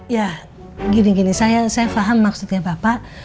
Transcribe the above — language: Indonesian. ya gini gini saya paham maksudnya pak